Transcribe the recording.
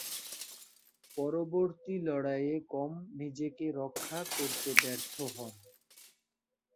পরবর্তী লড়াইয়ে কম নিজেকে রক্ষা করতে ব্যর্থ হন।